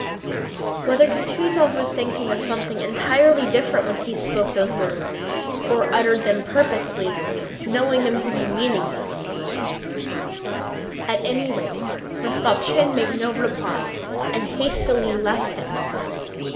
Whether Kutúzov was thinking of something entirely different when he spoke those words, or uttered them purposely, knowing them to be meaningless, at any rate Rostopchín made no reply and hastily left him.